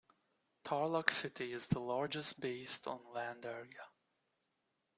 Tarlac City is the largest based on land area.